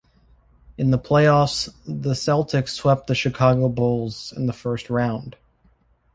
In the playoffs, the Celtics swept the Chicago Bulls in the first round.